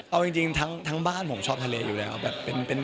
เอาจริงทั้งบ้านผมชอบทะเลอยู่แล้วแบบ